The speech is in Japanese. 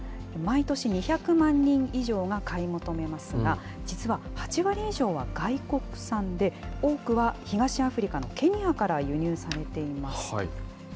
毎年２００万人以上が買い求めますが、実は８割以上は外国産で、多くは東アフリカのケニアから輸入されています。